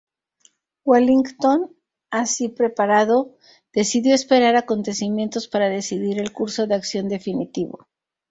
Wellington, así preparado, decidió esperar acontecimientos para decidir el curso de acción definitivo.